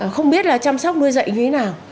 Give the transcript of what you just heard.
không biết là chăm sóc nuôi dạy như thế nào